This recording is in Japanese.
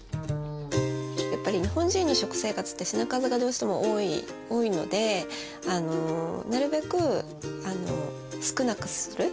やっぱり日本人の食生活って品数がどうしても多いのでなるべく少なくする。